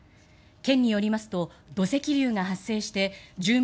県によりますと土石流が発生して住民